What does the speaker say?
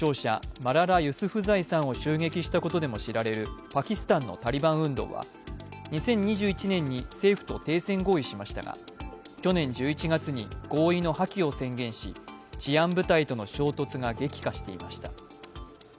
マララ・ユスフザイさんを襲撃したことでも知られるパキスタンのタリバン運動は２０２１年に政府と停戦合意しましたが去年１１月に合意の破棄を宣言し、治安部隊との衝突が激化していました。